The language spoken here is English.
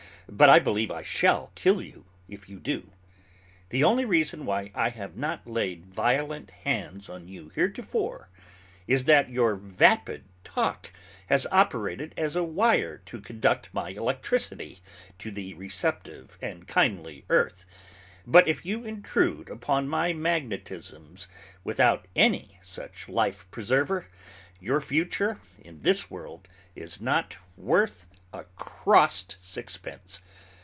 but I believe I shall kill you, if you do. The only reason why I have not laid violent hands on you heretofore is that your vapid talk has operated as a wire to conduct my electricity to the receptive and kindly earth; but if you intrude upon my magnetisms without any such life preserver, your future in this world is not worth a crossed sixpence.